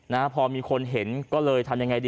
นะฮะพอมีคนเห็นก็เลยทำยังไงดี